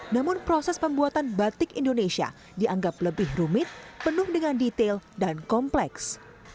namun proses pembuatan batik indonesia dianggap lebih rumit penuh dengan detail dan kompleks